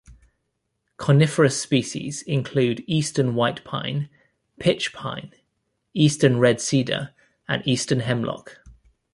Coniferous species include Eastern White Pine, Pitch Pine, Eastern Red Cedar, and Eastern Hemlock.